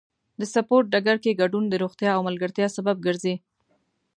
د سپورت ډګر کې ګډون د روغتیا او ملګرتیا سبب ګرځي.